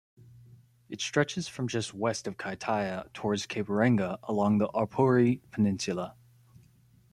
It stretches from just west of Kaitaia towards Cape Reinga along the Aupouri Peninsula.